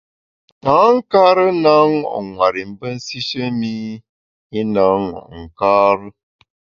Tankare na ṅo’ nwer i mbe nsishe mi i na ṅo’ nkare.